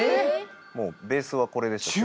もうベースはこれでした。